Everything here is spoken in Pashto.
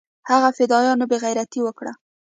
هغه فدايانو بې غيرتي اوکړه.